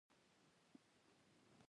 زه له بېکارۍ څخه کرکه لرم.